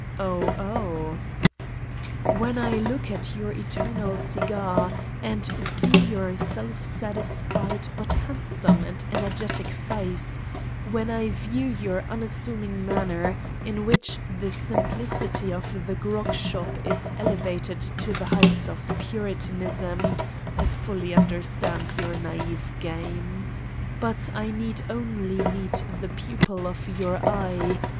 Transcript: ..." "Oh, oh!" "When I look at your eternal cigar, and see your self satisfied but handsome and energetic face; when I view' your unassuming manner, in which the simplicity of the grog shop is elevated to the heights of Puritanism, I fully understand your naive game. But I need only meet the pupil of your eye